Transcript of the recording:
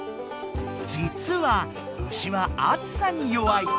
じつは牛は暑さに弱い。